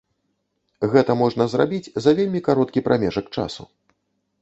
Гэта можна зрабіць за вельмі кароткі прамежак часу.